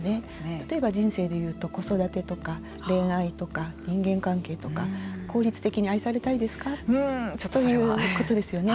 例えば、人生で言うと子育てとか恋愛とか人間関係とか効率的に愛されたいですか？ということですね。